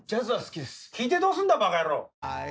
きいてどうすんだバカヤロウ！